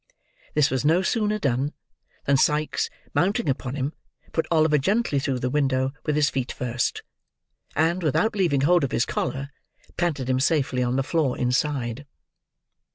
This was no sooner done, than Sikes, mounting upon him, put Oliver gently through the window with his feet first; and, without leaving hold of his collar, planted him safely on the floor inside.